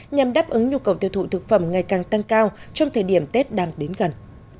nhằm đáp ứng nhu cầu tiêu thụ thực phẩm ngày càng tăng cao trong thời điểm tết đang đến gần